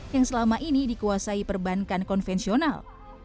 yang selama ini dikuasai perbankan konvensional